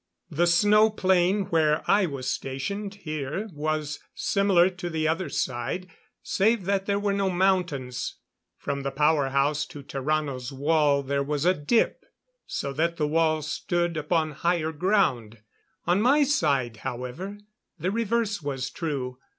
The snow plain where I was stationed here was similar to the other side, save that there were no mountains. From the power house to Tarrano's wall there was a dip, so that the wall stood upon higher ground. On my side, however, the reverse was true.